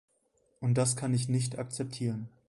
Und das kann ich nicht akzeptieren.